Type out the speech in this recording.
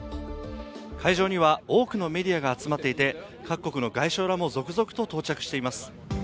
会場には多くのメディアが集まっていて各国の外相らも続々と到着しています。